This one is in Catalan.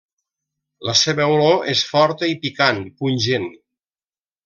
La seva olor és forta i picant, pungent.